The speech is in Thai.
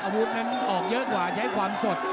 อาวุธนั้นออกเยอะกว่าใช้ความสด